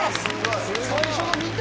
最初の見た？